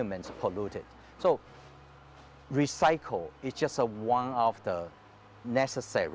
jadi mengumpulkan adalah salah satu yang harus dilakukan